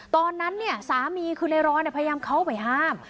ตอนนั้นเนี่ยสามีคือในรอยพยายามเข้าไปห้าม